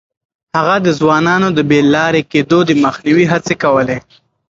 هغه د ځوانانو د بې لارې کېدو د مخنيوي هڅې کولې.